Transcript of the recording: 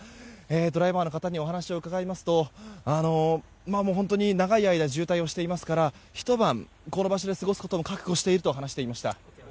ドライバーの方にお話伺いますと本当に長い間渋滞をしていますからひと晩、この場所で過ごすことも覚悟していると話していました。